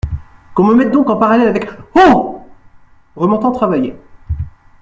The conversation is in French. Qu’on me mette donc en parallèle avec… oh ! remontant travailler.